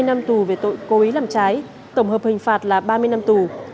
hai mươi năm tù về tội cố ý làm trái tổng hợp hình phạt là ba mươi năm tù